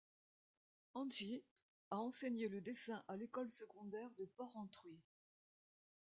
Angi a enseigné le dessin à l'école secondaire de Porrentruy.